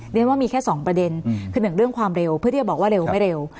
เรียนว่ามีแค่๒ประเด็นคือหนึ่งเรื่องความเร็วเพื่อที่จะบอกว่าเร็วไม่เร็ว